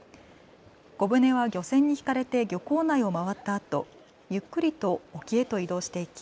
小舟は漁船に引かれて漁港内を回ったあとゆっくりと沖へと移動していき